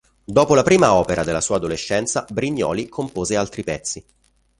Dopo la prima opera della sua adolescenza, Brignoli compose altri pezzi.